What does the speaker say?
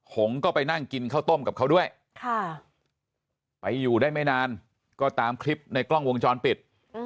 หงก็ไปนั่งกินข้าวต้มกับเขาด้วยไปอยู่ได้ไม่นานก็ตามคลิปในกล้องวงจรปิด